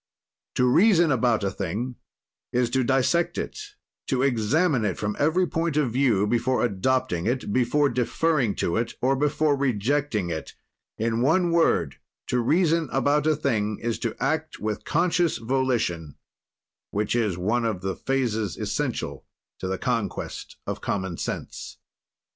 "To reason about a thing is to dissect it, to examine it from every point of view before adopting it, before deferring to it or before rejecting it; in one word, to reason about a thing is to act with conscious volition, which is one of the phases essential to the conquest of common sense.